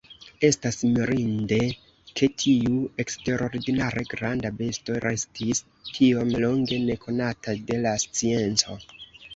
Estas mirinde ke tiu eksterordinare granda besto restis tiom longe nekonata de la scienco.